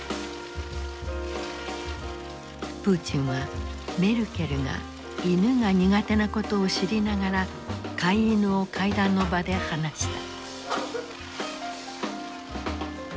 プーチンはメルケルが犬が苦手なことを知りながら飼い犬を会談の場で放した。